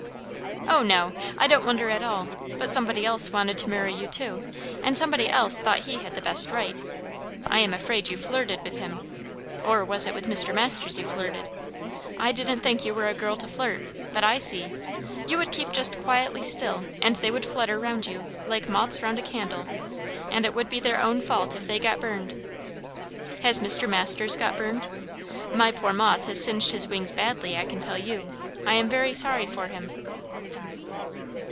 "O no, I don't wonder at all! But somebody else wanted to marry you too; and somebody else thought he had the best right. I am afraid you flirted with him. Or was it with Mr. Masters you flirted? I didn't think you were a girl to flirt; but I see! You would keep just quietly still, and they would flutter round you, like moths round a candle, and it would be their own fault if they both got burned. Has Mr. Masters got burned? My poor moth has singed his wings badly, I can tell you. I am very sorry for him."